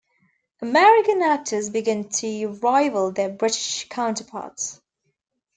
American actors began to rival their British counterparts.